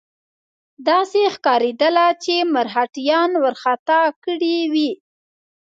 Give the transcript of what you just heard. داسې ښکارېدله چې مرهټیان وارخطا کړي وي.